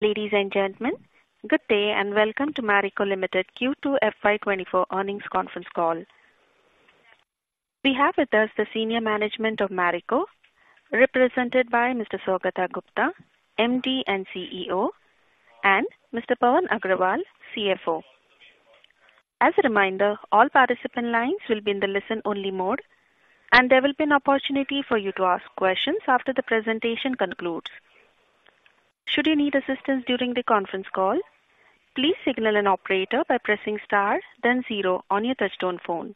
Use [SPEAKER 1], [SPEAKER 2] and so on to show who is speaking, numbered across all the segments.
[SPEAKER 1] Ladies and gentlemen, good day and welcome to Marico Limited Q2 FY24 Earnings Conference Call. We have with us the senior management of Marico, represented by Mr. Saugata Gupta, MD and CEO; and Mr. Pawan Agrawal, CFO. As a reminder, all participant lines will be in the listen-only mode, and there will be an opportunity for you to ask questions after the presentation concludes. Should you need assistance during the conference call, please signal an operator by pressing star, then zero on your touch-tone phone.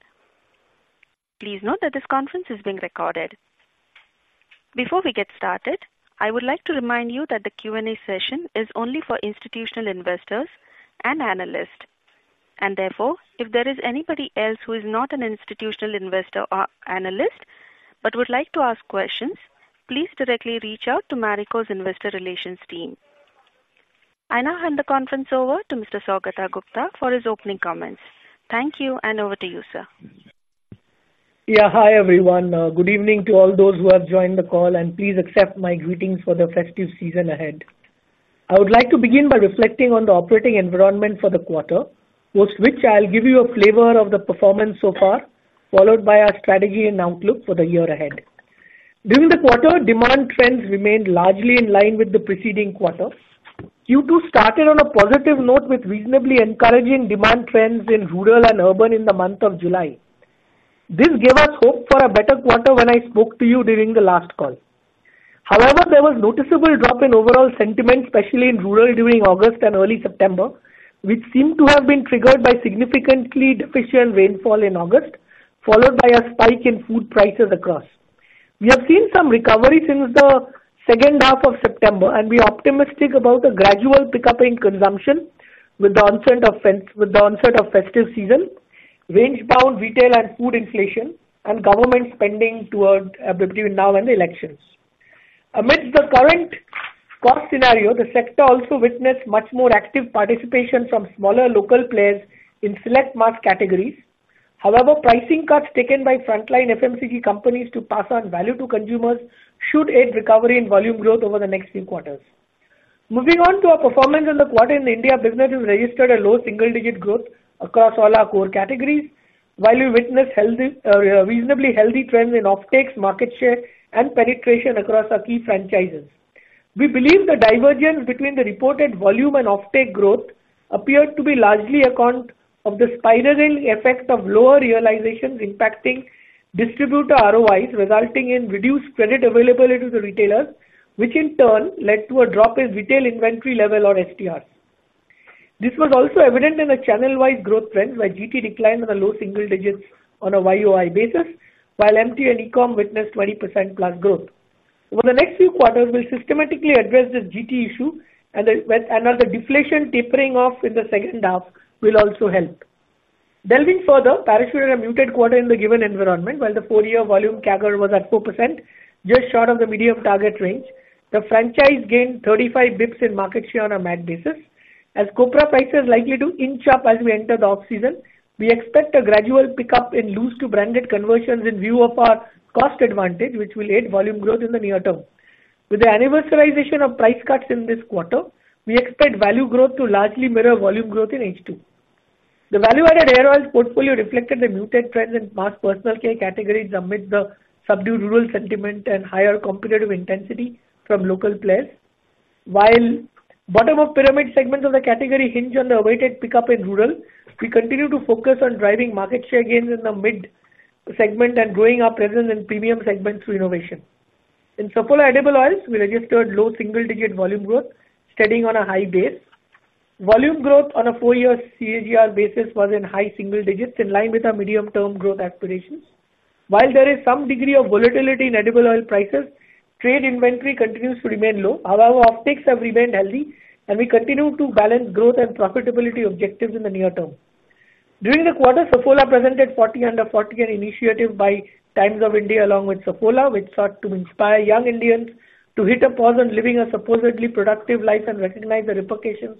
[SPEAKER 1] Please note that this conference is being recorded. Before we get started, I would like to remind you that the Q&A session is only for institutional investors and analysts. And therefore, if there is anybody else who is not an institutional investor or analyst but would like to ask questions, please directly reach out to Marico's investor relations team. I now hand the conference over to Mr. Saugata Gupta for his opening comments. Thank you, and over to you, sir.
[SPEAKER 2] Yeah, hi everyone. Good evening to all those who have joined the call, and please accept my greetings for the festive season ahead. I would like to begin by reflecting on the operating environment for the quarter, post which I'll give you a flavor of the performance so far, followed by our strategy and outlook for the year ahead. During the quarter, demand trends remained largely in line with the preceding quarter. Q2 started on a positive note with reasonably encouraging demand trends in rural and urban in the month of July. This gave us hope for a better quarter when I spoke to you during the last call. However, there was a noticeable drop in overall sentiment, especially in rural during August and early September, which seemed to have been triggered by significantly deficient rainfall in August, followed by a spike in food prices across. We have seen some recovery since the second half of September, and we're optimistic about a gradual pickup in consumption with the onset of festive season, range-bound retail and food inflation, and government spending toward now and the elections. Amidst the current cost scenario, the sector also witnessed much more active participation from smaller local players in select mass categories. However, pricing cuts taken by frontline FMCG companies to pass on value to consumers should aid recovery in volume growth over the next few quarters. Moving on to our performance in the quarter, India business has registered a low single-digit growth across all our core categories, while we witnessed reasonably healthy trends in off-takes, market share, and penetration across our key franchises. We believe the divergence between the reported volume and off-take growth appeared to be largely an account of the spiraling effect of lower realizations impacting distributor ROIs, resulting in reduced credit availability to the retailers, which in turn led to a drop in retail inventory level, or STRs. This was also evident in the channel-wide growth trends, where GT declined on a low single-digit on a YOY basis, while MT and E-com witnessed 20%+ growth. Over the next few quarters, we'll systematically address this GT issue, and the deflation tapering off in the second half will also help. Delving further, Parachute had a muted quarter in the given environment, while the four-year volume CAGR was at 4%, just short of the medium target range. The franchise gained 35 basis points in market share on a MAC basis. As copra prices likely to inch up as we enter the off-season, we expect a gradual pickup in loose-to-branded conversions in view of our cost advantage, which will aid volume growth in the near term. With the anniversarization of price cuts in this quarter, we expect value growth to largely mirror volume growth in H2. The value-added hair oil portfolio reflected the muted trends in mass personal care categories amidst the subdued rural sentiment and higher competitive intensity from local players. While bottom-of-pyramid segments of the category hinge on the awaited pickup in rural, we continue to focus on driving market share gains in the mid-segment and growing our presence in premium segments through innovation. In Saffola edible oils, we registered low single-digit volume growth, steadying on a high base. Volume growth on a four-year CAGR basis was in high single digits, in line with our medium-term growth aspirations. While there is some degree of volatility in edible oil prices, trade inventory continues to remain low. However, off-takes have remained healthy, and we continue to balance growth and profitability objectives in the near term. During the quarter, Saffola presented 40 Under 40 initiative by Times of India along with Saffola, which sought to inspire young Indians to hit a pause on living a supposedly productive life and recognize the repercussions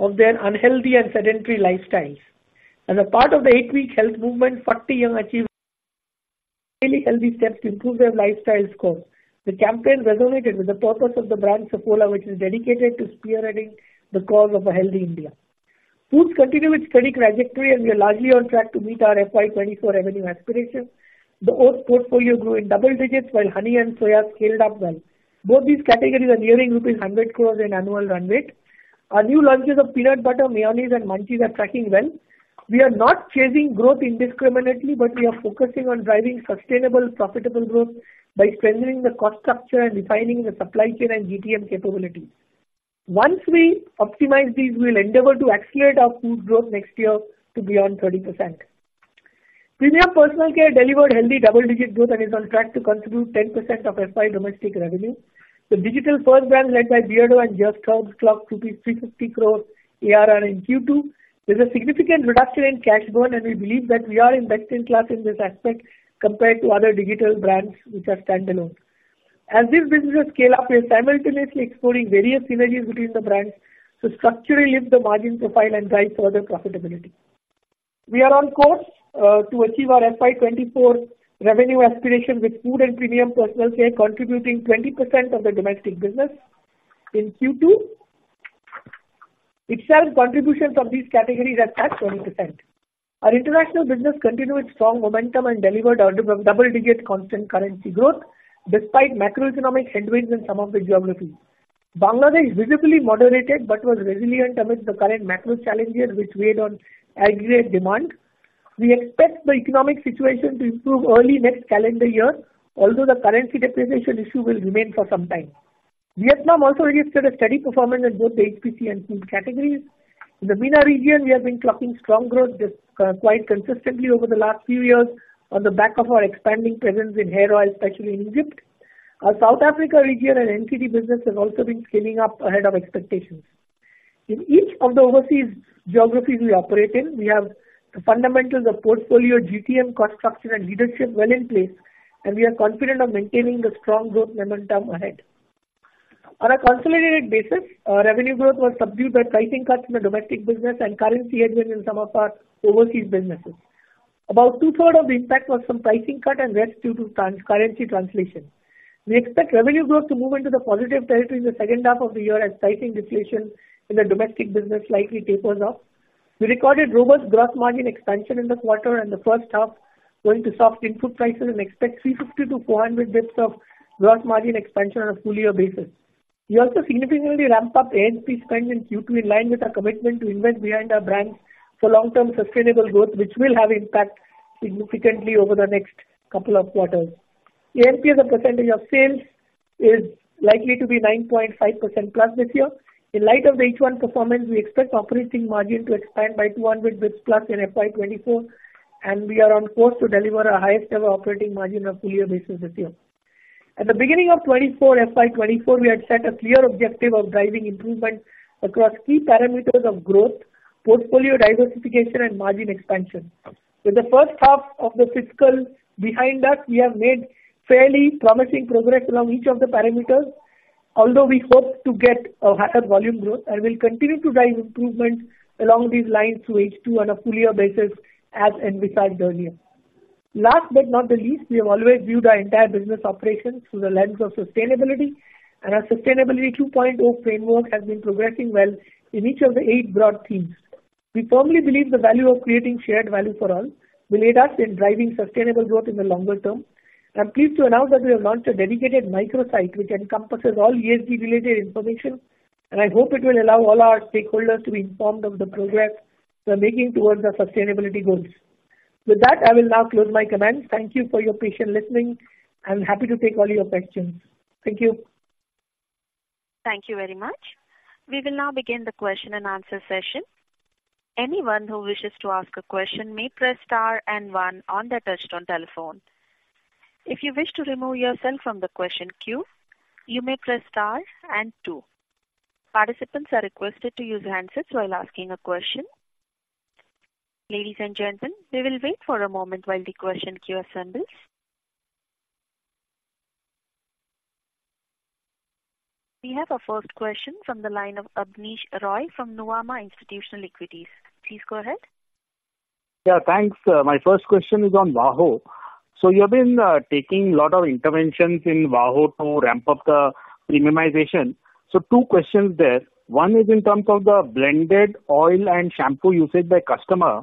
[SPEAKER 2] of their unhealthy and sedentary lifestyles. As a part of the eight-week health movement, 40 Young Achieved Daily Healthy Steps to Improve Their Lifestyle Score. The campaign resonated with the purpose of the brand Saffola, which is dedicated to spearheading the cause of a healthy India. Foods continue its steady trajectory, and we are largely on track to meet our FY24 revenue aspirations. The oats portfolio grew in double digits, while honey and soya scaled up well. Both these categories are nearing rupees 100 crores in annual run rate. Our new launches of peanut butter, mayonnaise, and munchies are tracking well. We are not chasing growth indiscriminately, but we are focusing on driving sustainable, profitable growth by strengthening the cost structure and refining the supply chain and GTM capabilities. Once we optimize these, we'll endeavor to accelerate our food growth next year to beyond 30%. Premium personal care delivered healthy double-digit growth and is on track to contribute 10% of FY domestic revenue. The digital first brand led by Beardo and Just Herbs clocked 350 crores ARR in Q2. There's a significant reduction in cash burn, and we believe that we are investing less in this aspect compared to other digital brands which are standalone. As this business scale up, we are simultaneously exploring various synergies between the brands to structurally lift the margin profile and drive further profitability. We are on course to achieve our FY2024 revenue aspirations with food and premium personal care contributing 20% of the domestic business. In Q2 itself, contributions of these categories are at 20%. Our international business continued strong momentum and delivered double-digit constant currency growth despite macroeconomic headwinds in some of the geographies. Bangladesh visibly moderated but was resilient amidst the current macro challenges which weighed on aggregate demand. We expect the economic situation to improve early next calendar year, although the currency depreciation issue will remain for some time. Vietnam also registered a steady performance in both the HPC and food categories. In the MENA region, we have been clocking strong growth quite consistently over the last few years on the back of our expanding presence in hair oil, especially in Egypt. Our South Africa region and NCD business have also been scaling up ahead of expectations. In each of the overseas geographies we operate in, we have the fundamentals of portfolio GTM cost structure and leadership well in place, and we are confident of maintaining the strong growth momentum ahead. On a consolidated basis, revenue growth was subdued by pricing cuts in the domestic business and currency headwinds in some of our overseas businesses. About two-thirds of the impact was from pricing cut and risk due to currency translation. We expect revenue growth to move into the positive territory in the second half of the year as pricing deflation in the domestic business likely tapers off. We recorded robust gross margin expansion in the quarter and the first half, owing to soft input prices and expect 350-400 bps of gross margin expansion on a full-year basis. We also significantly ramped up ANP spend in Q2 in line with our commitment to invest behind our brands for long-term sustainable growth, which will have impact significantly over the next couple of quarters. ANP as a percentage of sales is likely to be 9.5%+ this year. In light of the H1 performance, we expect operating margin to expand by 200 bps+ in FY24, and we are on course to deliver our highest-ever operating margin on a full-year basis this year. At the beginning of FY24, we had set a clear objective of driving improvement across key parameters of growth, portfolio diversification, and margin expansion. With the first half of the fiscal behind us, we have made fairly promising progress along each of the parameters, although we hope to get a higher volume growth and will continue to drive improvement along these lines through H2 on a full-year basis as and besides earlier. Last but not least, we have always viewed our entire business operations through the lens of sustainability, and our Sustainability 2.0 framework has been progressing well in each of the eight broad themes. We firmly believe the value of creating shared value for all will aid us in driving sustainable growth in the longer term. I'm pleased to announce that we have launched a dedicated microsite which encompasses all ESG-related information, and I hope it will allow all our stakeholders to be informed of the progress we are making towards our sustainability goals. With that, I will now close my comments. Thank you for your patient listening, and happy to take all your questions. Thank you.
[SPEAKER 1] Thank you very much. We will now begin the question-and-answer session. Anyone who wishes to ask a question may press star and one on their touch-tone telephone. If you wish to remove yourself from the question queue, you may press star and two. Participants are requested to use handsets while asking a question. Ladies and gentlemen, we will wait for a moment while the question queue assembles. We have a first question from the line of Abhineet Roy from Nuvama Institutional Equities. Please go ahead.
[SPEAKER 3] Yeah, thanks. My first question is on Parachute. So you have been taking a lot of interventions in Parachute to ramp up the premiumization. So two questions there. One is in terms of the blended oil and shampoo usage by customer.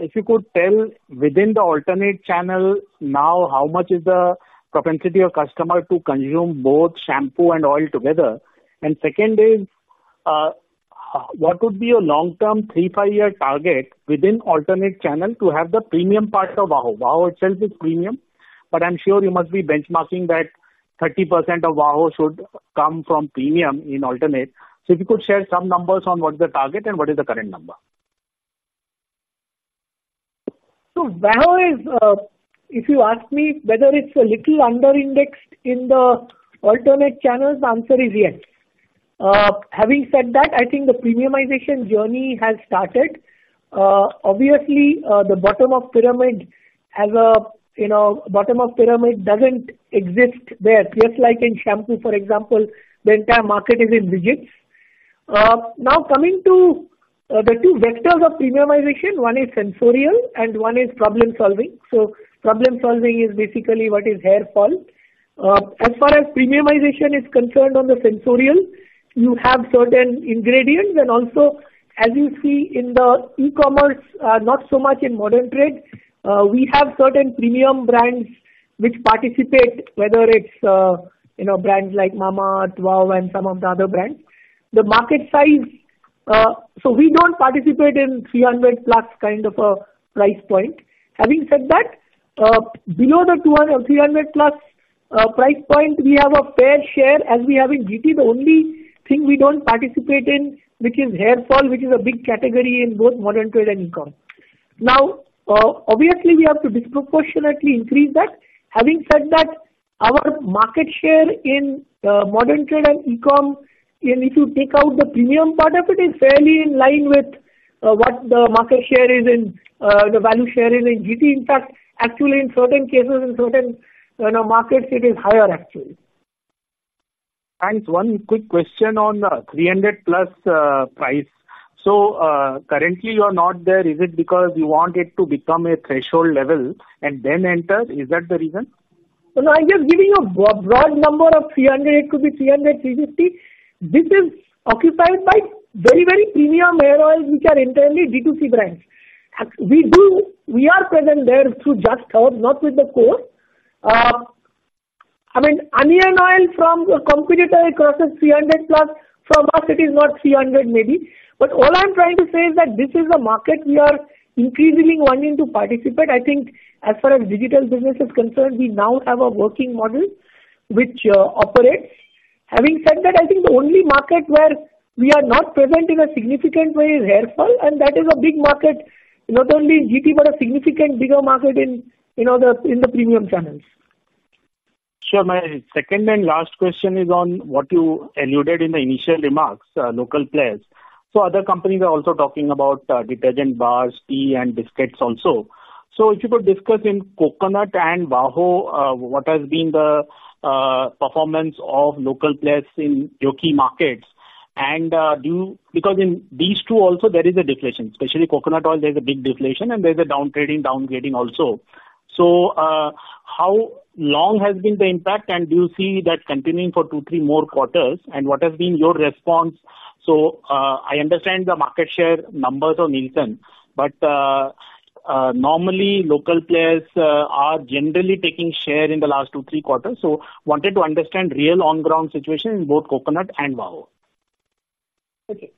[SPEAKER 3] If you could tell within the alternate channel now how much is the propensity of customer to consume both shampoo and oil together. And second is, what would be your long-term 3, 5-year target within alternate channel to have the premium part of Parachute? Parachute itself is premium, but I'm sure you must be benchmarking that 30% of Parachute should come from premium in alternate. So if you could share some numbers on what's the target and what is the current number.
[SPEAKER 2] So Parachute is, if you ask me whether it's a little under-indexed in the alternate channels, the answer is yes. Having said that, I think the premiumization journey has started. Obviously, the bottom of pyramid as a bottom of pyramid doesn't exist there, just like in shampoo, for example, the entire market is in digits. Now, coming to the two vectors of premiumization, one is sensorial and one is problem-solving. So problem-solving is basically what is hair fall. As far as premiumization is concerned on the sensorial, you have certain ingredients. And also, as you see in the e-commerce, not so much in modern trade, we have certain premium brands which participate, whether it's brands like Mamaearth, WOW, and some of the other brands. The market size so we don't participate in 300+ kind of a price point. Having said that, below the 300+ price point, we have a fair share as we have in GT. The only thing we don't participate in, which is hair fall, which is a big category in both modern trade and e-commerce. Now, obviously, we have to disproportionately increase that. Having said that, our market share in modern trade and e-commerce, if you take out the premium part of it, is fairly in line with what the market share is in the value share is in GT. In fact, actually, in certain cases, in certain markets, it is higher, actually.
[SPEAKER 3] Thanks. One quick question on the 300+ price. So currently, you are not there. Is it because you want it to become a threshold level and then enter? Is that the reason?
[SPEAKER 2] So now, I'm just giving you a broad number of 300. It could be 300, 350. This is occupied by very, very premium hair oils which are entirely D2C brands. We are present there through Just Herbs, not with the core. I mean, onion oil from a competitor across the 300+, from us, it is not 300 maybe. But all I'm trying to say is that this is a market we are increasingly wanting to participate. I think as far as digital business is concerned, we now have a working model which operates. Having said that, I think the only market where we are not present in a significant way is hair fall, and that is a big market, not only in GT but a significant bigger market in the premium channels.
[SPEAKER 3] Sure. My second and last question is on what you alluded in the initial remarks, local players. So other companies are also talking about detergent bars, tea, and biscuits also. So if you could discuss in coconut and hair oil, what has been the performance of local players in rural markets? Because in these two also, there is a deflation, especially coconut oil. There's a big deflation, and there's a downgrading, downgrading also. So how long has been the impact, and do you see that continuing for 2, 3 more quarters? And what has been your response? So I understand the market share numbers of Nielsen, but normally, local players are generally taking share in the last 2, 3 quarters. So wanted to understand real on-ground situation in both coconut and hair oil.
[SPEAKER 2] Okay.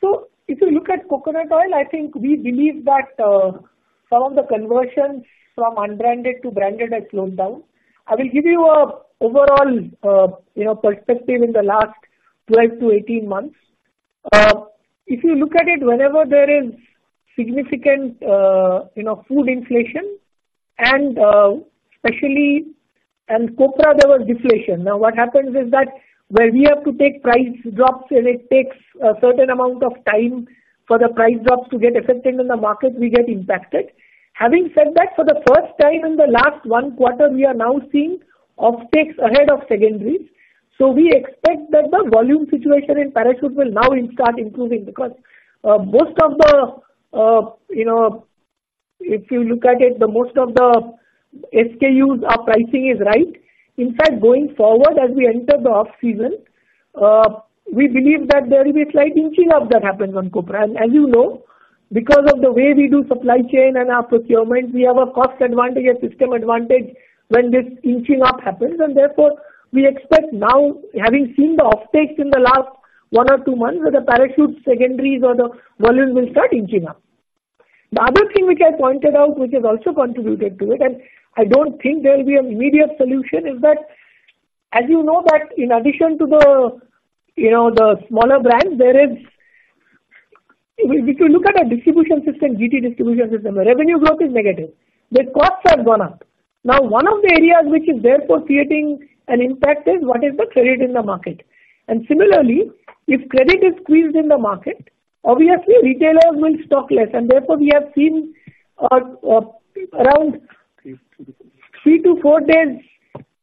[SPEAKER 2] So if you look at coconut oil, I think we believe that some of the conversions from unbranded to branded have slowed down. I will give you an overall perspective in the last 12-18 months. If you look at it, whenever there is significant food inflation and copra, there was deflation. Now, what happens is that where we have to take price drops, and it takes a certain amount of time for the price drops to get affected in the market, we get impacted. Having said that, for the first time in the last one quarter, we are now seeing offtakes ahead of secondaries. So we expect that the volume situation in Parachute will now start improving because most of the if you look at it, most of the SKUs are pricing is right. In fact, going forward, as we enter the off-season, we believe that there will be a slight inching up that happens on copra. And as you know, because of the way we do supply chain and our procurement, we have a cost advantage, a system advantage when this inching up happens. And therefore, we expect now, having seen the offtakes in the last one or two months, that the Parachute secondaries or the volume will start inching up. The other thing which I pointed out, which has also contributed to it, and I don't think there will be an immediate solution, is that as you know that in addition to the smaller brands, there is if you look at our distribution system, GT distribution system, the revenue growth is negative. The costs have gone up. Now, one of the areas which is therefore creating an impact is what is the credit in the market. And similarly, if credit is squeezed in the market, obviously, retailers will stock less. And therefore, we have seen around 3-4 days,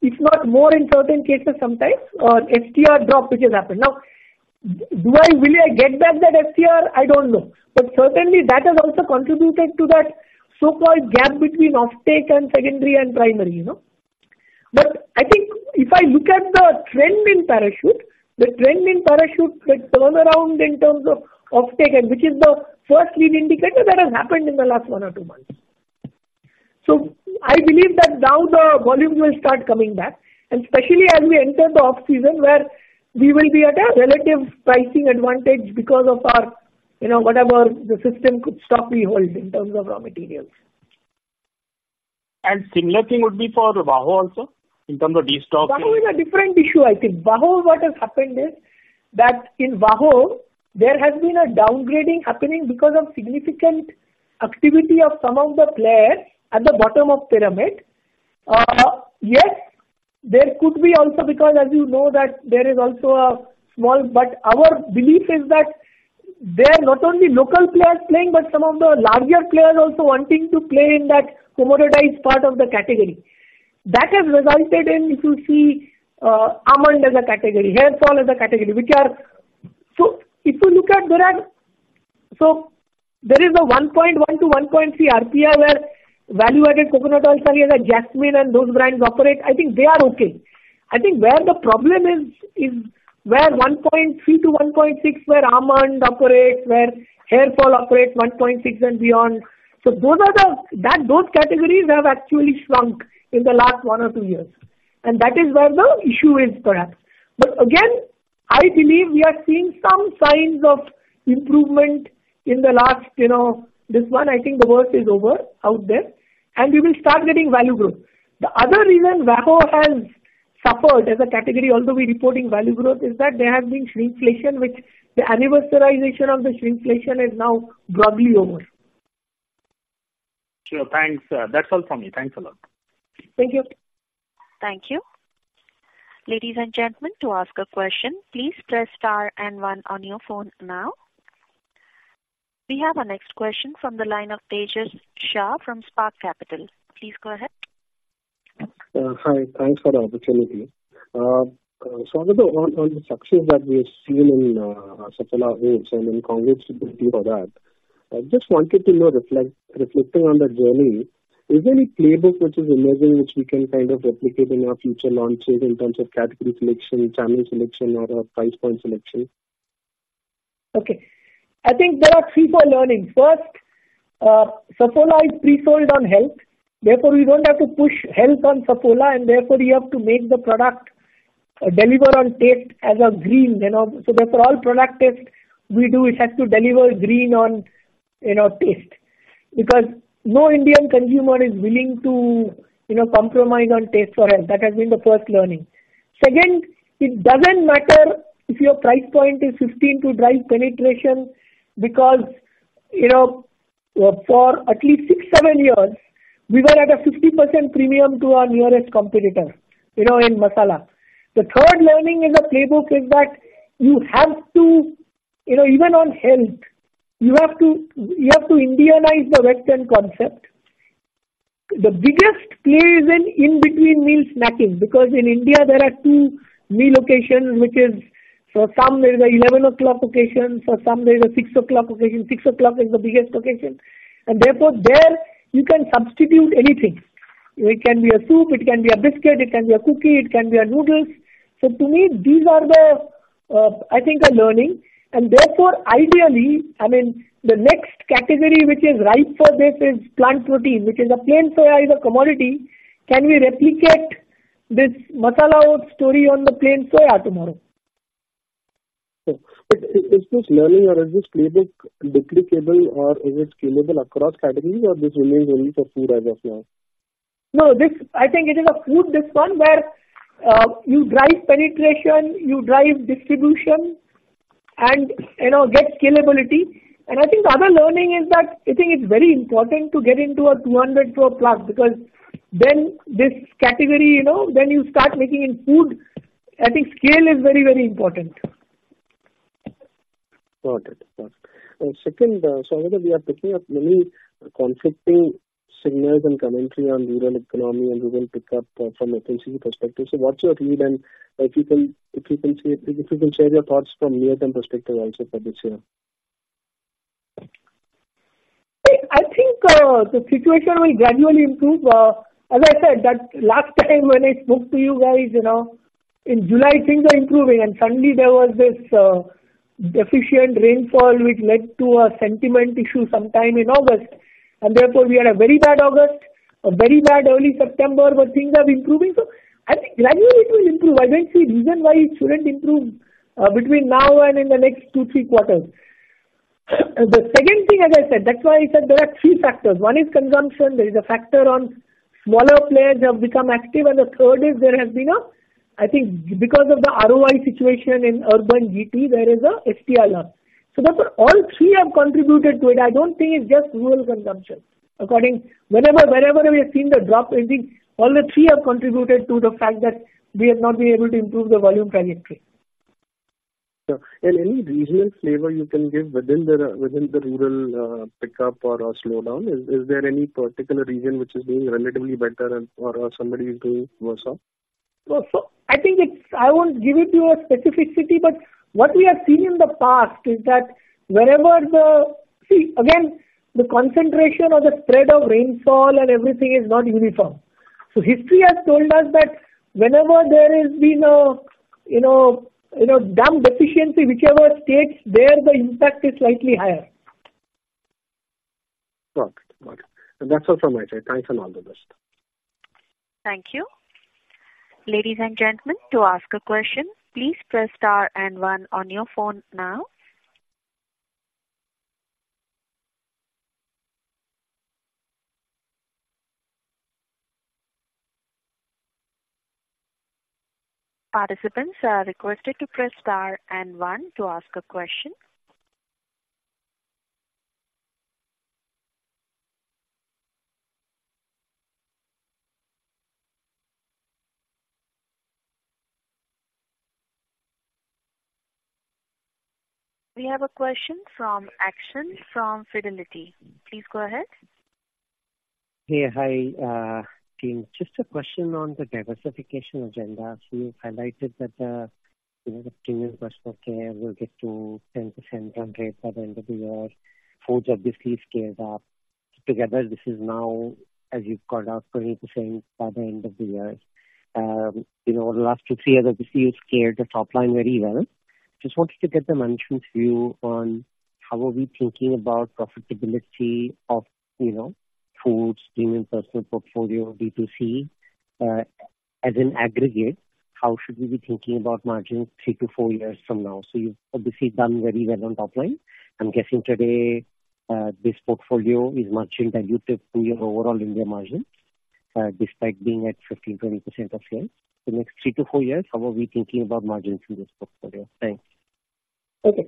[SPEAKER 2] if not more in certain cases sometimes, an STR drop which has happened. Now, will I get back that STR? I don't know. But certainly, that has also contributed to that so-called gap between offtake and secondary and primary. But I think if I look at the trend in Parachute, the trend in Parachute that turned around in terms of offtake, which is the first lead indicator, that has happened in the last one or two months. So I believe that now the volumes will start coming back, and especially as we enter the off-season where we will be at a relative pricing advantage because of whatever the system could stock we hold in terms of raw materials.
[SPEAKER 3] Similar thing would be for VAHO also in terms of destocking?
[SPEAKER 2] VAHO is a different issue, I think. VAHO, what has happened is that in VAHO, there has been a downgrading happening because of significant activity of some of the players at the bottom of the pyramid. Yes, there could be also because, as you know, that there is also a small but our belief is that there are not only local players playing but some of the larger players also wanting to play in that commoditized part of the category. That has resulted in, if you see, Amla as a category, hair fall as a category, which are so if you look at there are so there is a 1.1-1.3 RPI where value-added coconut oil selling as a jasmine and those brands operate. I think they are okay. I think where the problem is is where 1.3-1.6 where Amla operates, where hair fall operates 1.6 and beyond. So those categories have actually shrunk in the last 1 or 2 years. And that is where the issue is, perhaps. But again, I believe we are seeing some signs of improvement in the last 1, I think the worst is over out there, and we will start getting value growth. The other reason hair oil has suffered as a category, although we are reporting value growth, is that there has been shrinkflation, which the anniversarization of the shrinkflation is now broadly over.
[SPEAKER 3] Sure. Thanks. That's all from me. Thanks a lot.
[SPEAKER 2] Thank you.
[SPEAKER 1] Thank you. Ladies and gentlemen, to ask a question, please press star and one on your phone now. We have a next question from the line of Tejas Shah from Spark Capital. Please go ahead.
[SPEAKER 4] Hi. Thanks for the opportunity. So on the success that we have seen in Saffola Oats and in conquest for that, I just wanted to know, reflecting on the journey, is there any playbook which is emerging which we can kind of replicate in our future launches in terms of category selection, channel selection, or price point selection?
[SPEAKER 2] Okay. I think there are three, four learnings. First, Saffola is pre-sold on health. Therefore, we don't have to push health on Saffola, and therefore, we have to make the product deliver on taste as a green. So therefore, all product tests we do, it has to deliver green on taste because no Indian consumer is willing to compromise on taste for health. That has been the first learning. Second, it doesn't matter if your price point is 15 to drive penetration because for at least six, seven years, we were at a 50% premium to our nearest competitor in masala. The third learning is a playbook is that you have to even on health, you have to Indianize the Western concept. The biggest play is in between meal snacking because in India, there are two meal locations, which is for some, there is a 11 o'clock location. For some, there is a 6 o'clock location. 6 o'clock is the biggest location. And therefore, there, you can substitute anything. It can be a soup. It can be a biscuit. It can be a cookie. It can be a noodles. So to me, these are the, I think, a learning. And therefore, ideally, I mean, the next category which is ripe for this is plant protein, which is a plain soy is a commodity. Can we replicate this masala oat story on the plain soya tomorrow?
[SPEAKER 4] Is this learning or is this playbook duplicable, or is it scalable across categories, or this remains only for food as of now?
[SPEAKER 2] No, I think it is a food, this one, where you drive penetration, you drive distribution, and get scalability. And I think the other learning is that I think it's very important to get into a 200 to a plus because then this category, then you start making in food. I think scale is very, very important.
[SPEAKER 4] Got it. Got it. Second, so whether we are picking up many conflicting signals and commentary on rural economy, and we will pick up from FMCG perspective. So what's your view, then? If you can see it, if you can share your thoughts from near-term perspective also for this year.
[SPEAKER 2] I think the situation will gradually improve. As I said, that last time when I spoke to you guys in July, things are improving. And suddenly, there was this deficient rainfall which led to a sentiment issue sometime in August. And therefore, we had a very bad August, a very bad early September, but things are improving. So I think gradually, it will improve. I don't see reason why it shouldn't improve between now and in the next two, three quarters. The second thing, as I said, that's why I said there are three factors. One is consumption. There is a factor on smaller players have become active. And the third is there has been a, I think, because of the ROI situation in urban GT, there is an STR loss. So all three have contributed to it. I don't think it's just rural consumption. Whenever we have seen the drop, all the three have contributed to the fact that we have not been able to improve the volume trajectory.
[SPEAKER 4] Sure. And any regional flavor you can give within the rural pickup or slowdown, is there any particular region which is doing relatively better or somebody is doing worse off? I think I won't give it to a specific city, but what we have seen in the past is that wherever we see, again, the concentration or the spread of rainfall and everything is not uniform. History has told us that whenever there has been a dump deficiency, whichever states there, the impact is slightly higher. Got it. Got it. And that's all from my side. Thanks, and all the best.
[SPEAKER 1] Thank you. Ladies and gentlemen, to ask a question, please press star and one on your phone now. Participants are requested to press star and one to ask a question. We have a question from Akshen from Fidelity. Please go ahead.
[SPEAKER 5] Hey. Hi, team. Just a question on the diversification agenda. So you highlighted that the premium personal care will get to 10% run rate by the end of the year. Foods obviously scaled up. Together, this is now, as you've called out, 20% by the end of the year. Over the last two, three years, obviously, you scaled the top line very well. Just wanted to get the management's view on how are we thinking about profitability of foods, premium personal portfolio, B2C as an aggregate? How should we be thinking about margins three to four years from now? So you've obviously done very well on top line. I'm guessing today, this portfolio is margin diluted from your overall India margins despite being at 15%-20% of sales. The next three to four years, how are we thinking about margins in this portfolio? Thanks.
[SPEAKER 2] Okay.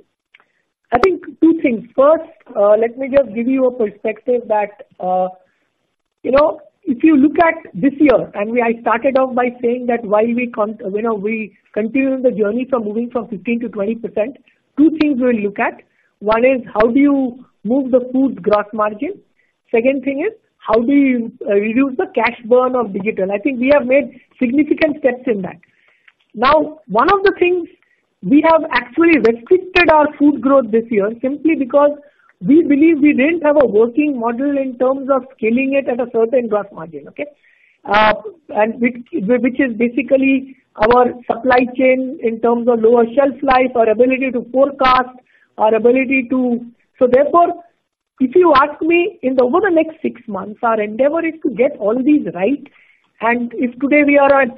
[SPEAKER 2] I think two things. First, let me just give you a perspective that if you look at this year, and I started off by saying that while we continue in the journey from moving from 15%-20%, two things we'll look at. One is how do you move the food's gross margin? Second thing is how do you reduce the cash burn of digital? I think we have made significant steps in that. Now, one of the things, we have actually restricted our food growth this year simply because we believe we didn't have a working model in terms of scaling it at a certain gross margin, okay, which is basically our supply chain in terms of lower shelf life, our ability to forecast, our ability to so therefore, if you ask me, over the next six months, our endeavor is to get all these right. If today we are at,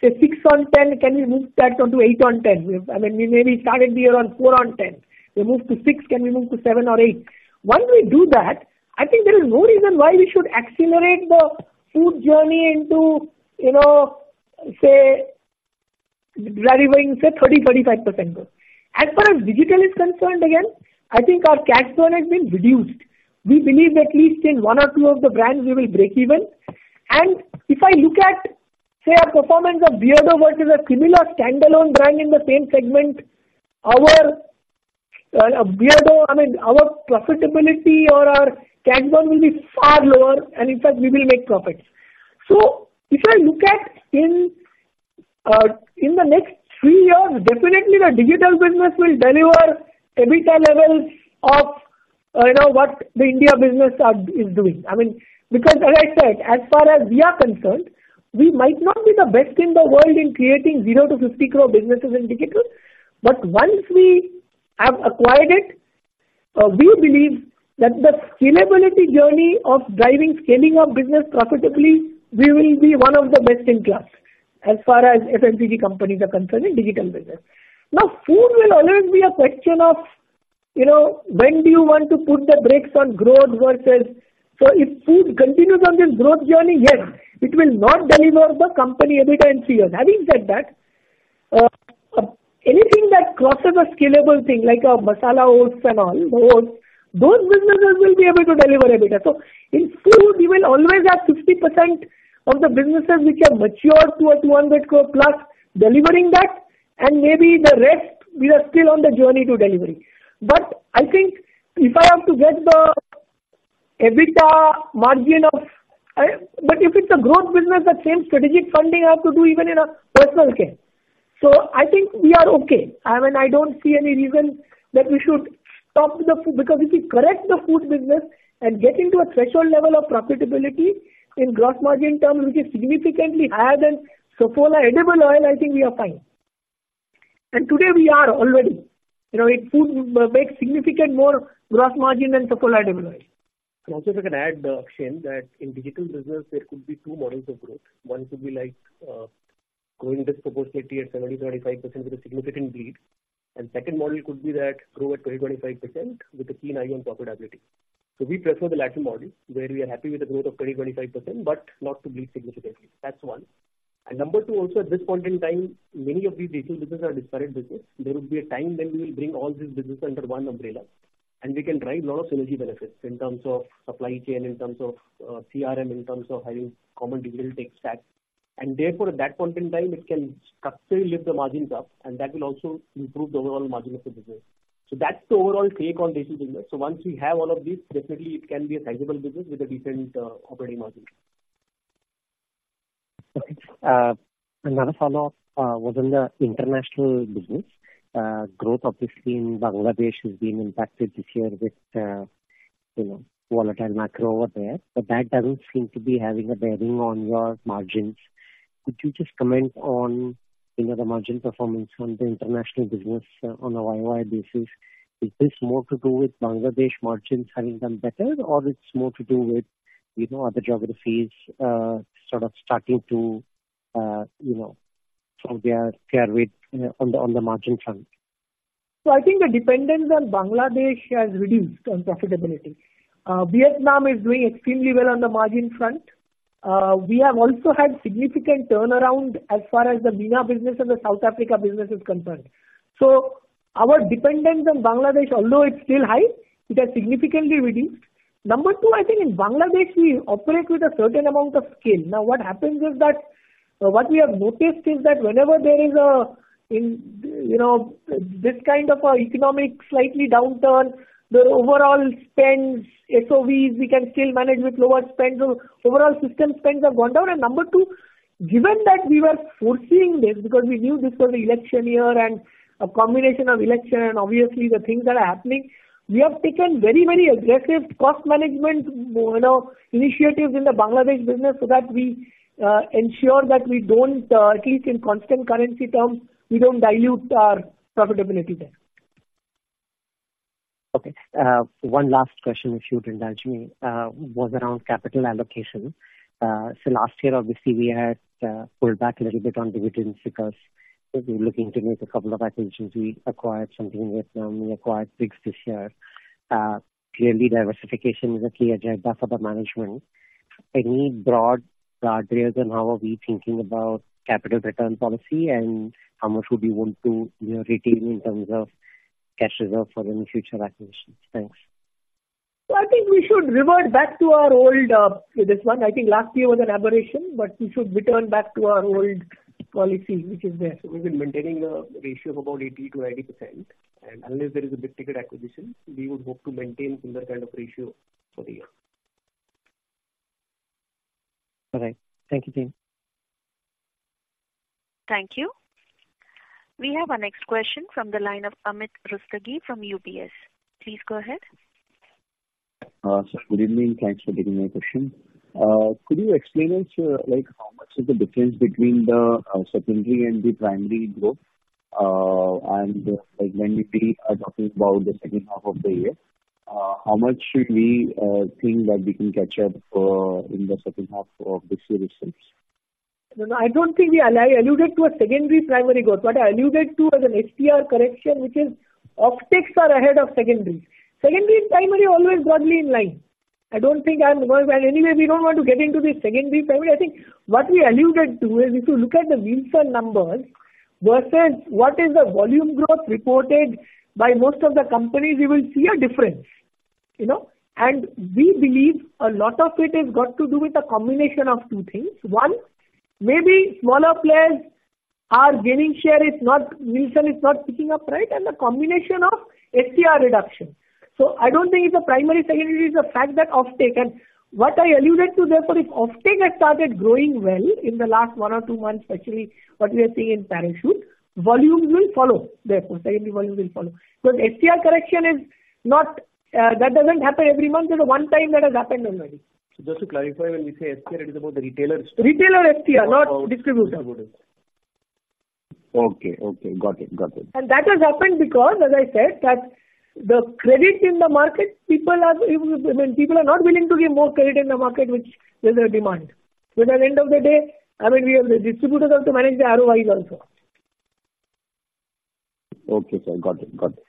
[SPEAKER 2] say, 6 on 10, can we move that onto 8 on 10? I mean, we maybe started the year on 4 on 10. We move to 6. Can we move to 7 or 8? Once we do that, I think there is no reason why we should accelerate the food journey into, say, driving, say, 30%-35% growth. As far as digital is concerned, again, I think our cash burn has been reduced. We believe at least in one or two of the brands, we will break even. And if I look at, say, a performance of Beardo versus a similar standalone brand in the same segment, our Beardo, I mean, our profitability or our cash burn will be far lower. And in fact, we will make profits. So if I look at in the next 3 years, definitely, the digital business will deliver EBITDA levels of what the India business is doing. I mean, because as I said, as far as we are concerned, we might not be the best in the world in creating 0-50 crore businesses in digital. But once we have acquired it, we believe that the scalability journey of driving scaling up business profitably, we will be one of the best in class as far as FMCG companies are concerned in digital business. Now, food will always be a question of when do you want to put the brakes on growth versus so if food continues on this growth journey, yes, it will not deliver the company EBITDA in 3 years. Having said that, anything that crosses a scalable thing like masala oats and all, those businesses will be able to deliver EBITDA. So in food, you will always have 50% of the businesses which have matured to 200 crore plus delivering that. And maybe the rest, we are still on the journey to delivery. But I think if I have to get the EBITDA margin of but if it's a growth business, that same strategic funding I have to do even in personal care. So I think we are okay. I mean, I don't see any reason that we should stop, because if we correct the food business and get into a threshold level of profitability in gross margin terms, which is significantly higher than Saffola edible oil, I think we are fine. And today, we are already. Food makes significantly more gross margin than Saffola edible oil.
[SPEAKER 6] Also if I can add, Akshen, that in digital business, there could be two models of growth. One could be growing disproportionately at 70%-75% with a significant bleed. And second model could be that grow at 20%-25% with a keen eye on profitability. So we prefer the latter model where we are happy with the growth of 20%-25% but not to bleed significantly. That's one. And number two, also at this point in time, many of these digital businesses are disparate businesses. There will be a time when we will bring all these businesses under one umbrella, and we can drive a lot of synergy benefits in terms of supply chain, in terms of CRM, in terms of having common digital tech stack. Therefore, at that point in time, it can structurally lift the margins up, and that will also improve the overall margin of the business. That's the overall take on digital business. Once we have all of these, definitely, it can be a sizable business with a decent operating margin.
[SPEAKER 5] Okay. Another follow-up was on the international business. Growth, obviously, in Bangladesh has been impacted this year with volatile macro over there, but that doesn't seem to be having a bearing on your margins. Could you just comment on the margin performance on the international business on a YOY basis? Is this more to do with Bangladesh margins having done better, or it's more to do with other geographies sort of starting to throw their weight on the margin front?
[SPEAKER 2] So I think the dependence on Bangladesh has reduced on profitability. Vietnam is doing extremely well on the margin front. We have also had significant turnaround as far as the MENA business and the South Africa business is concerned. So our dependence on Bangladesh, although it's still high, it has significantly reduced. Number 2, I think in Bangladesh, we operate with a certain amount of scale. Now, what happens is that what we have noticed is that whenever there is this kind of economic slightly downturn, the overall spends, SOVs, we can still manage with lower spends. So overall system spends have gone down. And number two, given that we were foreseeing this because we knew this was an election year and a combination of election and obviously, the things that are happening, we have taken very, very aggressive cost management initiatives in the Bangladesh business so that we ensure that we don't, at least in constant currency terms, we don't dilute our profitability there.
[SPEAKER 5] Okay. One last question, if you wouldn't judge me, was around capital allocation. So last year, obviously, we had pulled back a little bit on dividends because we were looking to make a couple of acquisitions. We acquired something in Vietnam. We acquired Plix this year. Clearly, diversification is a key agenda for the management. Any broad guardrails on how are we thinking about capital return policy and how much would we want to retain in terms of cash reserve for any future acquisitions? Thanks. I think we should revert back to our old this one. I think last year was an aberration, but we should return back to our old policy, which is there.
[SPEAKER 6] We've been maintaining the ratio of about 80%-90%. And unless there is a big-ticket acquisition, we would hope to maintain similar kind of ratio for the year.
[SPEAKER 5] All right. Thank you, team.
[SPEAKER 1] Thank you. We have our next question from the line of Amit Rustagi from UBS. Please go ahead.
[SPEAKER 7] Sir, good evening. Thanks for taking my question. Could you explain us how much is the difference between the secondary and the primary growth? And when we are talking about the second half of the year, how much should we think that we can catch up in the second half of this year itself? No, no. I don't think we alluded to a secondary primary growth. What I alluded to as an STR correction, which is offtakes are ahead of secondaries. Secondary and primary are always broadly in line. I don't think I'm going to and anyway, we don't want to get into this secondary primary. I think what we alluded to is if you look at the Nielsen numbers versus what is the volume growth reported by most of the companies, you will see a difference. And we believe a lot of it has got to do with a combination of two things. One, maybe smaller players are gaining share. Nielsen is not picking up, right? And the combination of STR reduction. So I don't think it's a primary, secondary is the fact that offtake and what I alluded to, therefore, if offtake has started growing well in the last 1 or 2 months, especially what we are seeing in Parachute, volumes will follow. Therefore, secondary volumes will follow because STR correction is not that; it doesn't happen every month. There's a one-time that has happened already.
[SPEAKER 6] Just to clarify, when we say STR, it is about the retailers.
[SPEAKER 2] Retailer STR, not distributor.
[SPEAKER 7] Okay. Okay. Got it. Got it.
[SPEAKER 2] That has happened because, as I said, that the credit in the market, people are—I mean, people are not willing to give more credit in the market, which there's a demand. So at the end of the day, I mean, we are the distributors have to manage the ROIs also.
[SPEAKER 7] Okay, sir. Got it. Got it.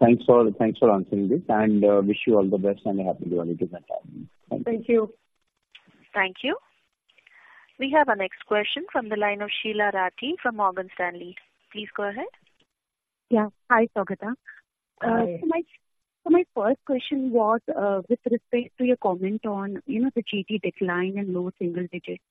[SPEAKER 7] Thanks for answering this. And wish you all the best and a happy quality of time. Thank you.
[SPEAKER 6] Thank you.
[SPEAKER 1] Thank you. We have our next question from the line of Sheela Rathi from Morgan Stanley. Please go ahead.
[SPEAKER 8] Yeah. Hi, Saugata. So my first question was with respect to your comment on the GT decline and low single digits.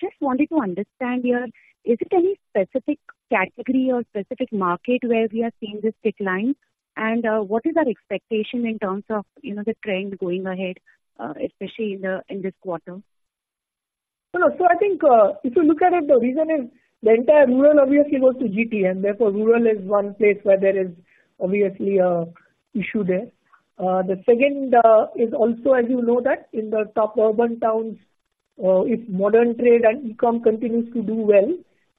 [SPEAKER 8] Just wanted to understand here, is it any specific category or specific market where we are seeing this decline? And what is our expectation in terms of the trend going ahead, especially in this quarter?
[SPEAKER 2] So I think if you look at it, the reason is the entire rural, obviously, goes to GT. And therefore, rural is one place where there is obviously an issue there. The second is also, as you know that, in the top urban towns, if modern trade and e-com continues to do well,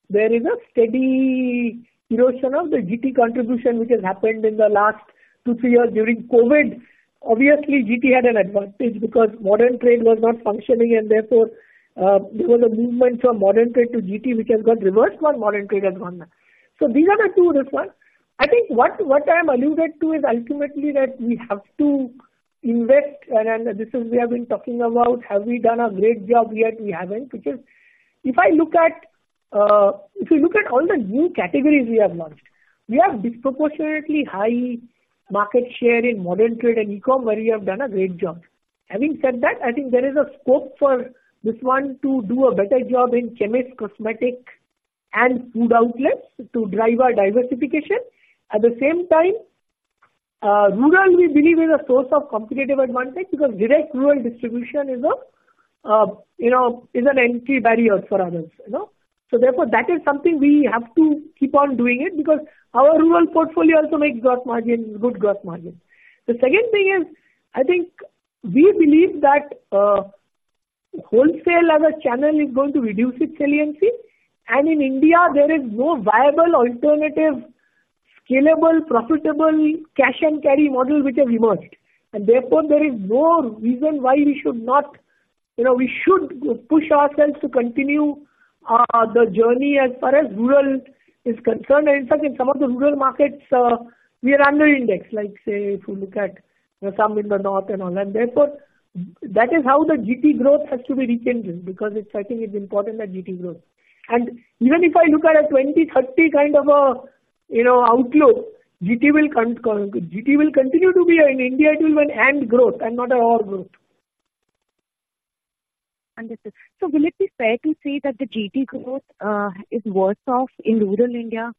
[SPEAKER 2] there is a steady erosion of the GT contribution, which has happened in the last 2-3 years during COVID. Obviously, GT had an advantage because modern trade was not functioning. And therefore, there was a movement from modern trade to GT, which has got reversed while modern trade has gone back. So these are the two of this one. I think what I'm alluded to is ultimately that we have to invest. And this is we have been talking about, have we done a great job yet? We haven't, which is if I look at if you look at all the new categories we have launched, we have disproportionately high market share in modern trade and e-com where we have done a great job. Having said that, I think there is a scope for this one to do a better job in chemists, cosmetics, and food outlets to drive our diversification. At the same time, rural, we believe, is a source of competitive advantage because direct rural distribution is an entry barrier for others. So therefore, that is something we have to keep on doing it because our rural portfolio also makes good gross margins. The second thing is I think we believe that wholesale as a channel is going to reduce its saliency. In India, there is no viable alternative, scalable, profitable cash-and-carry model which has emerged. Therefore, there is no reason why we should not push ourselves to continue the journey as far as rural is concerned. In fact, in some of the rural markets, we are underindexed, like, say, if you look at some in the north and all. Therefore, that is how the GT growth has to be rekindled because I think it's important that GT growth. Even if I look at a 2030 kind of outlook, GT will continue to be in India. It will be an end growth and not an all growth.
[SPEAKER 8] Understood. So will it be fair to say that the GT growth is worse off in rural India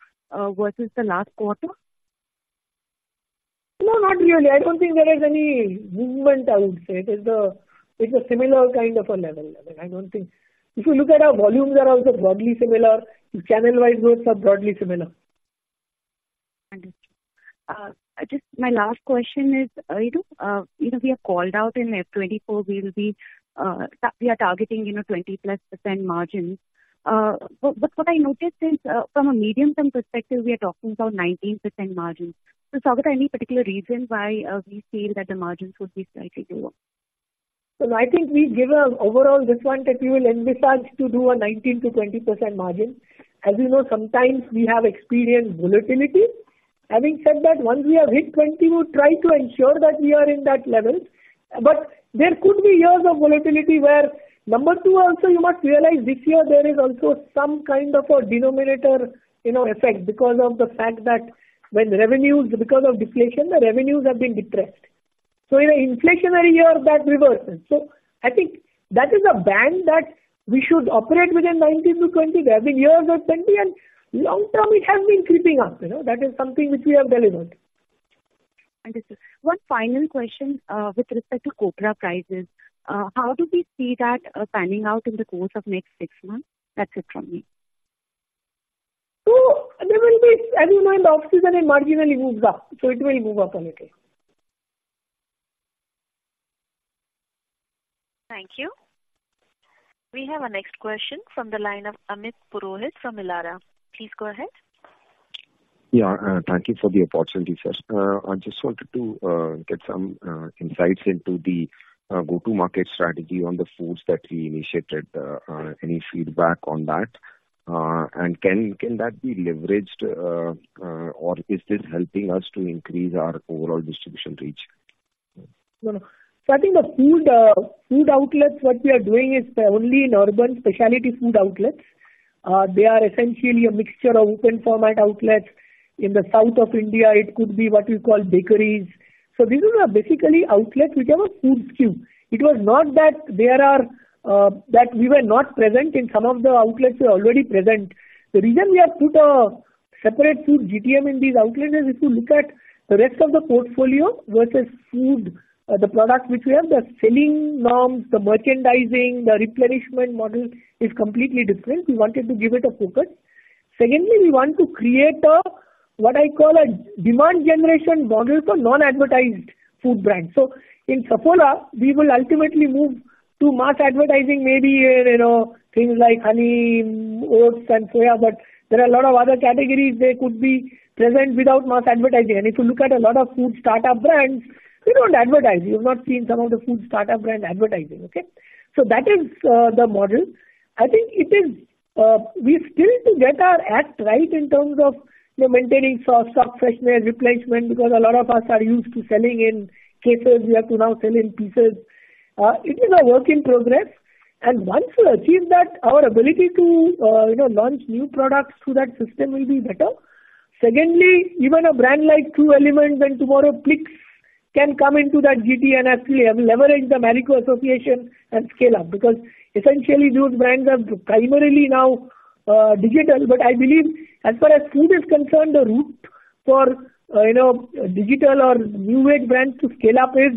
[SPEAKER 8] versus the last quarter? No, not really. I don't think there is any movement, I would say. It's a similar kind of a level. I don't think if you look at our volumes, they are also broadly similar. Channel-wise growths are broadly similar. Understood. Just my last question is we are called out in FY24. We are targeting 20%+ margins. But what I noticed is from a medium-term perspective, we are talking about 19% margins. So Saugata, any particular reason why we feel that the margins would be slightly lower? So I think we give an overall this one that we will envisage to do a 19%-20% margin. As you know, sometimes we have experienced volatility. Having said that, once we have hit 20%, we'll try to ensure that we are in that level. But there could be years of volatility where number two, also, you must realize this year, there is also some kind of a denominator effect because of the fact that when revenues because of deflation, the revenues have been depressed. So in an inflationary year, that reverses. So I think that is a band that we should operate within 19%-20%. There have been years of 20%. And long term, it has been creeping up. That is something which we have delivered. Understood. One final question with respect to copra prices. How do we see that panning out in the course of next six months? That's it from me.
[SPEAKER 6] There will be as you know, in the off-season, it marginally moves up. It will move up a little.
[SPEAKER 1] Thank you. We have our next question from the line of Amit Purohit from Elara. Please go ahead.
[SPEAKER 9] Yeah. Thank you for the opportunity, sir. I just wanted to get some insights into the go-to-market strategy on the foods that we initiated. Any feedback on that? And can that be leveraged, or is this helping us to increase our overall distribution reach?
[SPEAKER 2] No, no. So I think the food outlets, what we are doing is only in urban specialty food outlets. They are essentially a mixture of open-format outlets. In the south of India, it could be what we call bakeries. So these are basically outlets which have a food skew. It was not that there are that we were not present in some of the outlets we are already present. The reason we have put a separate food GTM in these outlets is if you look at the rest of the portfolio versus the products which we have, the selling norms, the merchandising, the replenishment model is completely different. We wanted to give it a focus. Secondly, we want to create what I call a demand generation model for non-advertised food brands. So in Saffola, we will ultimately move to mass advertising, maybe things like honey, oats, and soya. But there are a lot of other categories that could be present without mass advertising. And if you look at a lot of food startup brands, we don't advertise. You have not seen some of the food startup brand advertising, okay? So that is the model. I think we still need to get our act right in terms of maintaining stock freshness, replenishment because a lot of us are used to selling in cases. We have to now sell in pieces. It is a work in progress. And once we achieve that, our ability to launch new products through that system will be better. Secondly, even a brand like True Elements and Plix can come into that GT and actually leverage the Marico association and scale up because essentially, those brands are primarily now digital. I believe as far as food is concerned, the route for digital or new age brands to scale up is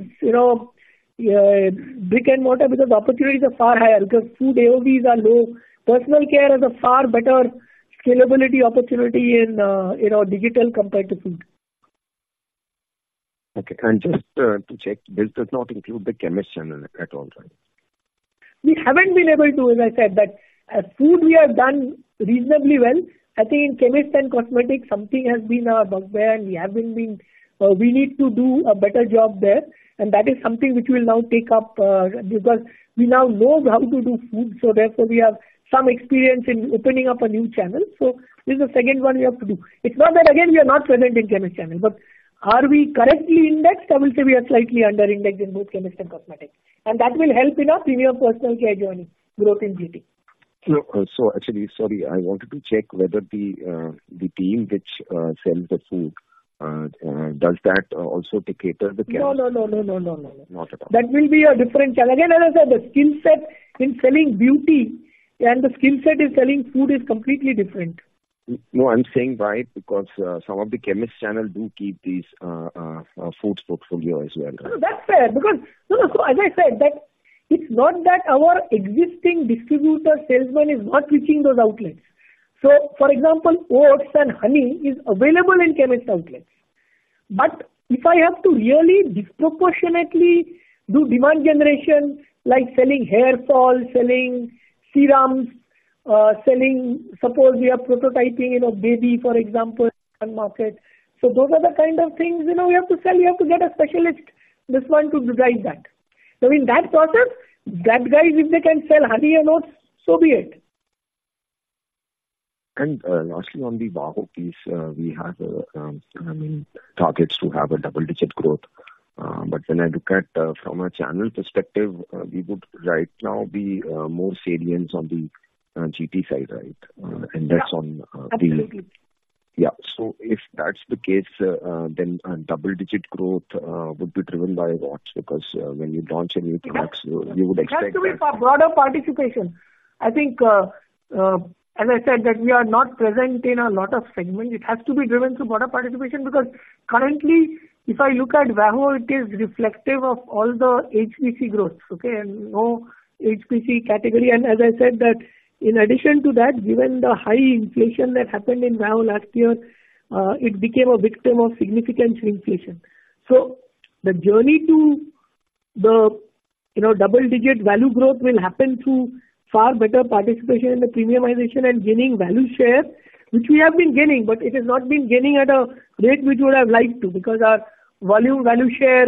[SPEAKER 2] brick and mortar because opportunities are far higher because food AOVs are low. Personal care has a far better scalability opportunity in digital compared to food.
[SPEAKER 9] Okay. Just to check, this does not include the chemists at all, right?
[SPEAKER 2] We haven't been able to, as I said, that food we have done reasonably well. I think in chemists and cosmetics, something has been bugged there, and we need to do a better job there. That is something which we will now take up because we now know how to do food. Therefore, we have some experience in opening up a new channel. This is the second one we have to do. It's not that, again, we are not present in chemists' channel. But are we correctly indexed? I will say we are slightly underindexed in both chemists and cosmetics. That will help in our premium personal care journey growth in GT.
[SPEAKER 9] Actually, sorry, I wanted to check whether the team which sells the food does that also take care of the chemists?
[SPEAKER 2] No, no, no, no, no, no, no, no.
[SPEAKER 7] Not at all.
[SPEAKER 6] That will be a different channel. Again, as I said, the skill set in selling beauty and the skill set in selling food is completely different.
[SPEAKER 7] No, I'm saying right because some of the chemists' channel do keep these foods portfolio as well.
[SPEAKER 6] No, that's fair because no, no. So as I said, that it's not that our existing distributor salesman is not reaching those outlets. So for example, oats and honey is available in chemists' outlets. But if I have to really disproportionately do demand generation, like selling hair fall, selling serums, selling suppose we are prototyping a baby, for example, on market. So those are the kind of things we have to sell. We have to get a specialist, this one, to drive that. So in that process, drug guys, if they can sell honey and oats, so be it.
[SPEAKER 7] Lastly, on the Wahoo piece, we have, I mean, targets to have a double-digit growth. But when I look at from a channel perspective, we would right now be more salient on the GT side, right? And that's on the.
[SPEAKER 6] Absolutely.
[SPEAKER 7] Yeah. So if that's the case, then double-digit growth would be driven by rocks because when you launch a new product, you would expect that.
[SPEAKER 6] It has to be for broader participation. I think, as I said, that we are not present in a lot of segments. It has to be driven through broader participation because currently, if I look at Wahoo, it is reflective of all the HPC growths, okay? No HPC category. As I said, in addition to that, given the high inflation that happened in Wahoo last year, it became a victim of significant shrinkflation. The journey to the double-digit value growth will happen through far better participation in the premiumization and gaining value share, which we have been gaining. It has not been gaining at a rate which we would have liked to because our volume-value share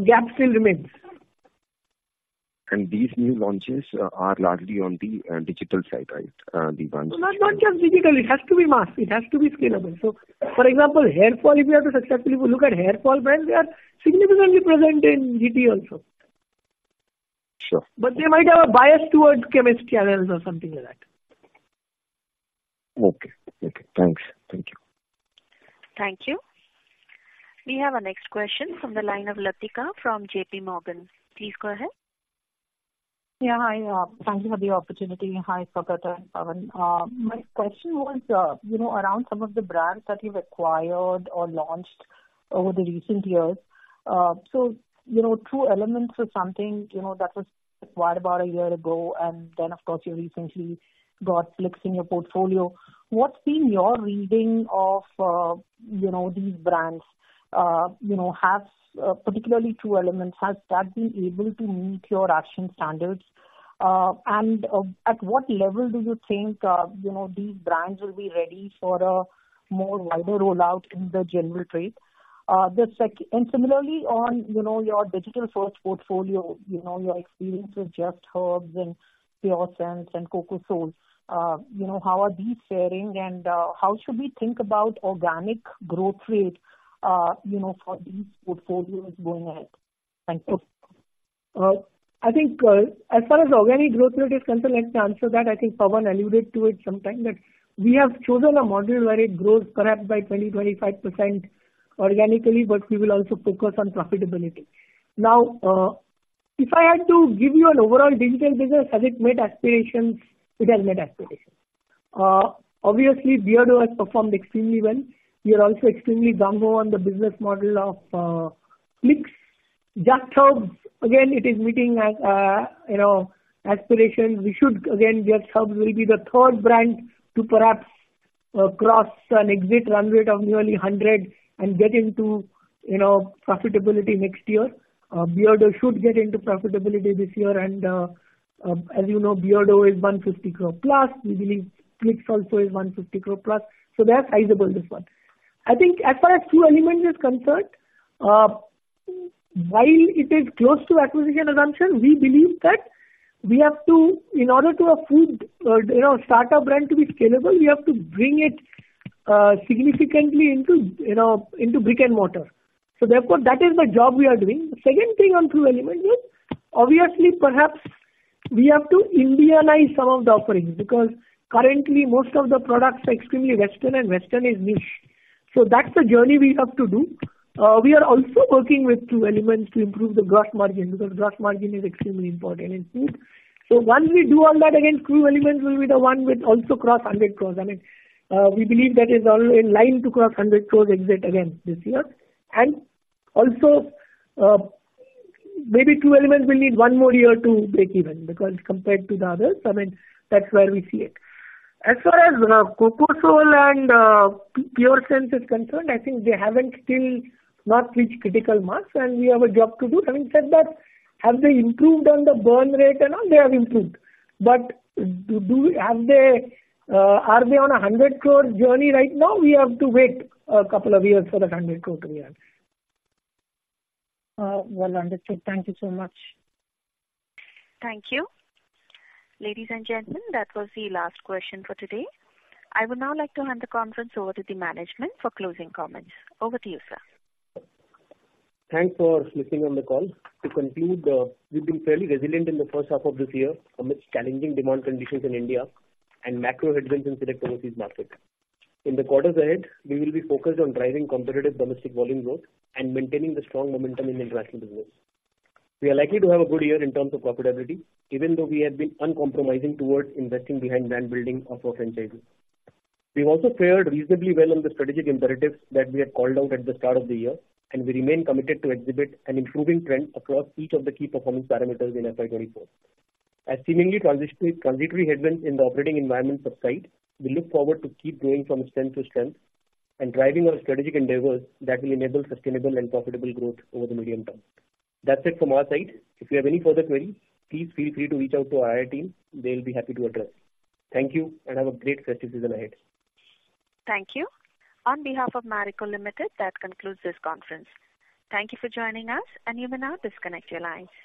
[SPEAKER 6] gap still remains.
[SPEAKER 7] These new launches are largely on the digital side, right? The ones.
[SPEAKER 6] Not just digital. It has to be mass. It has to be scalable. So for example, hair fall, if we look at hair fall brands, they are significantly present in GT also.
[SPEAKER 7] Sure.
[SPEAKER 6] But they might have a bias towards chemists' channels or something like that.
[SPEAKER 7] Okay. Okay. Thanks. Thank you.
[SPEAKER 1] Thank you. We have our next question from the line of Latika from J.P. Morgan. Please go ahead.
[SPEAKER 10] Yeah. Hi. Thank you for the opportunity. Hi, Saugata and Pawan. My question was around some of the brands that you've acquired or launched over the recent years. So True Elements was something that was acquired about a year ago. And then, of course, you recently got Plix in your portfolio. What's been your reading of these brands? Particularly True Elements, has that been able to meet your acquisition standards? And at what level do you think these brands will be ready for a more wider rollout in the general trade? And similarly, on your digital-first portfolio, your experience with Just Herbs and PureSense and CocoSole, how are these faring? And how should we think about organic growth rate for these portfolios going ahead? Thank you.
[SPEAKER 6] I think as far as organic growth rate is concerned, let me answer that. I think Pawan alluded to it sometime that we have chosen a model where it grows perhaps by 20%-25% organically, but we will also focus on profitability. Now, if I had to give you an overall digital business, has it met aspirations? It has met aspirations. Obviously, Beardo has performed extremely well. We are also extremely gung-ho on the business model of Plix. Just Herbs, again, it is meeting aspirations. We should again Just Herbs will be the third brand to perhaps cross an ARR of nearly 100 crore and get into profitability next year. Beardo should get into profitability this year. And as you know, Beardo is 150 crore plus. We believe Plix also is 150 crore plus. So they are sizable, this one. I think as far as True Elements is concerned, while it is close to acquisition assumption, we believe that we have to in order for a food startup brand to be scalable, we have to bring it significantly into brick and mortar. So therefore, that is the job we are doing. The second thing on True Elements is, obviously, perhaps we have to Indianize some of the offerings because currently, most of the products are extremely Western, and Western is niche. So that's the journey we have to do. We are also working with True Elements to improve the gross margin because gross margin is extremely important in food. So once we do all that, again, True Elements will be the one which also crosses 100 crore. I mean, we believe that is in line to cross 100 crore exit again this year. And also, maybe True Elements will need one more year to break even because compared to the others, I mean, that's where we see it. As far as CocoSole and PureSense is concerned, I think they haven't still not reached critical mass. And we have a job to do. Having said that, have they improved on the burn rate and all? They have improved. But are they on a 100 crore journey right now? We have to wait a couple of years for that 100 crore to be done.
[SPEAKER 10] Well, understood. Thank you so much.
[SPEAKER 1] Thank you. Ladies and gentlemen, that was the last question for today. I would now like to hand the conference over to the management for closing comments. Over to you, sir.
[SPEAKER 6] Thanks for listening on the call. To conclude, we've been fairly resilient in the first half of this year amidst challenging demand conditions in India and macro headwinds in select overseas markets. In the quarters ahead, we will be focused on driving competitive domestic volume growth and maintaining the strong momentum in the international business. We are likely to have a good year in terms of profitability, even though we have been uncompromising towards investing behind brand building of our franchise. We've also fared reasonably well on the strategic imperatives that we had called out at the start of the year. We remain committed to exhibit an improving trend across each of the key performance parameters in FY2024. As seemingly transitory headwinds in the operating environment subside, we look forward to keep growing from strength to strength and driving our strategic endeavors that will enable sustainable and profitable growth over the medium term. That's it from our side. If you have any further queries, please feel free to reach out to our IR team. They'll be happy to address. Thank you, and have a great festive season ahead.
[SPEAKER 1] Thank you. On behalf of Marico Limited, that concludes this conference. Thank you for joining us. You may now disconnect your lines.